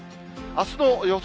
あすの予想